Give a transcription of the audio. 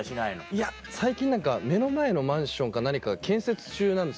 いや最近目の前のマンションか何かが建設中なんですよ。